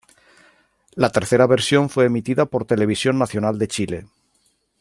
La tercera versión fue emitida por Televisión Nacional de Chile.